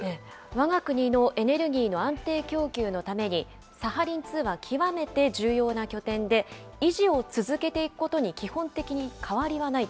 わが国のエネルギーの安定供給のために、サハリン２は極めて重要な拠点で、維持を続けていくことに基本的に変わりはない。